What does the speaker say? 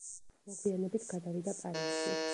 მოგვიანებით გადავიდა პარიზში.